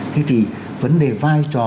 thế thì vấn đề vai trò